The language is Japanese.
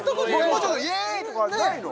もうちょっとイエーイとかないの？